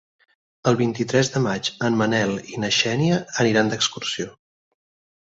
El vint-i-tres de maig en Manel i na Xènia aniran d'excursió.